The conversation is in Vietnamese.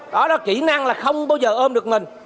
đó đó kỹ năng là không bao giờ ôm được mình